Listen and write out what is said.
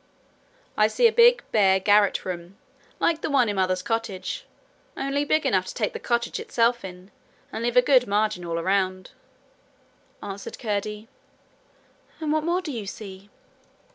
'I see a big, bare, garret room like the one in mother's cottage, only big enough to take the cottage itself in, and leave a good margin all round,' answered Curdie. 'And what more do you see?'